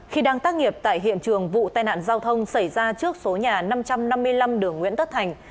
khi đang tác nghiệp tại hiện trường vụ tai nạn giao thông xảy ra trước số nhà năm trăm năm mươi năm đường nguyễn tất thành